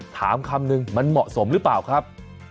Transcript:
คำนึงมันเหมาะสมหรือเปล่าครับ